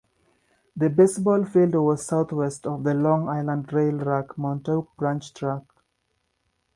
The baseball field was southwest of the Long Island Rail Road Montauk Branch tracks.